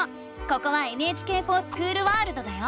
ここは「ＮＨＫｆｏｒＳｃｈｏｏｌワールド」だよ！